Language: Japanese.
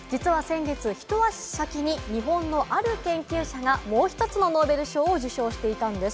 実は先月、ひと足先に日本のある研究者がもう１つのノーベル賞を受賞していたんです。